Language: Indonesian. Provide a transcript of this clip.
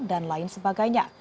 dan lain sebagainya